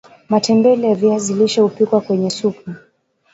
matembele ya viazi lishe hupikwa kwenye supu